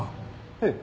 ええ。